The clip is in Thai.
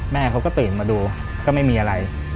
แม่เขาก็ตื่นมาดูก็ไม่มีอะไร